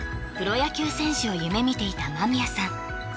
プロ野球選手を夢見ていた間宮さん